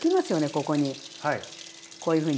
ここにこういうふうに。